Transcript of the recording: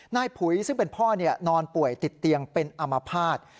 ผุยซึ่งเป็นพ่อนอนป่วยติดเตียงเป็นอามภาษณ์